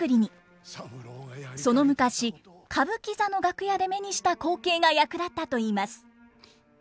その昔歌舞伎座の楽屋で目にした光景が役立ったといいます。